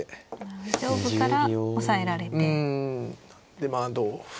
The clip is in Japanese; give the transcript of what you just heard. でまあ同歩。